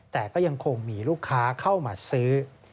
แต่ก็ยังคงมีลูกค้าเข้ามาซื้อ